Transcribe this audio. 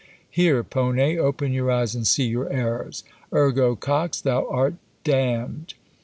"Here, Ponet, open your eyes and see your errors!" "Ergo, Cox, thou art damned!"